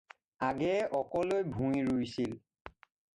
আগেয়ে অকলৈ ভূঁই ৰুইছিল।